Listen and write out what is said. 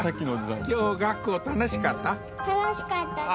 楽しかったです。